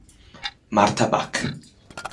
Marta Bach